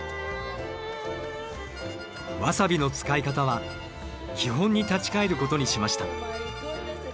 ワサビの使い方は基本に立ち返ることにしました。